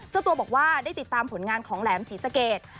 เจ้าตัวบอกว่าได้ติดตามผลงานของแหลมศรีสะเกด